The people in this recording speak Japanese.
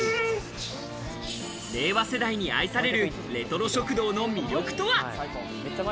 令和世代に愛されるレトロ食堂の魅力とは？